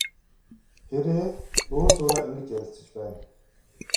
Хэрээ өөр зуураа ингэж ярилцаж байна.